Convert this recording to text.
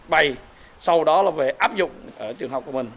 bày sau đó là về áp dụng ở trường học của mình